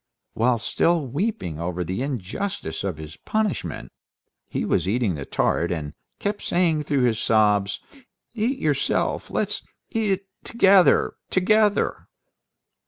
While still weeping over the injustice of his punishment, he was eating the tart, and kept saying through his sobs, "Eat yourself; let's eat it together ... together."